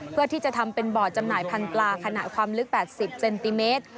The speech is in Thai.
เพื่อที่จะทำเป็นบ่อจำหน่ายพันธุ์ปลาขณะความลึก๘๐เซนติเมตร